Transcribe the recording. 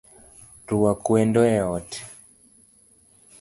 Rwak wendo e ot